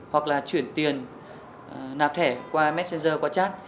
hoặc là chuyển tiền nạp thẻ qua messenger qua chat